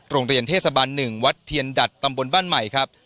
โรงเรียนเทศบาล๑วัดเทียนดัดตำบลบ้านใหม่ครับ